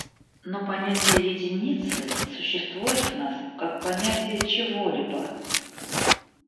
Но понятие единицы существует в нас, как понятие чего-либо.